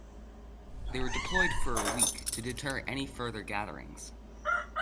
They were deployed for a week, to deter any further gatherings.